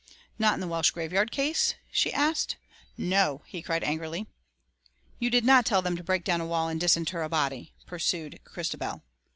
"Not in the Welsh graveyard case?" she asked. "No!" he cried angrily. "You did not tell them to break down a wall and disinter a body?" pursued Christabel.